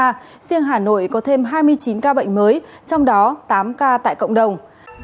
riêng hà nội có thêm hai mươi chín ca bệnh mới trong đó tám ca tại cộng đồng